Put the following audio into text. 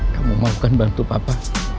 kamu mau kan bantu papa